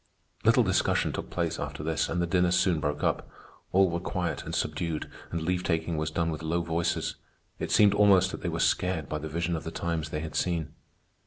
_" Little discussion took place after this, and the dinner soon broke up. All were quiet and subdued, and leave taking was done with low voices. It seemed almost that they were scared by the vision of the times they had seen.